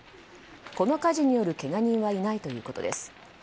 この火事によるけが人はいないということです。